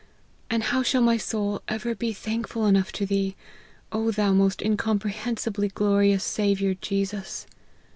And how shall my soul ever be thankful enough to thee, O thou most incomprehensibly glorious Saviour Jesus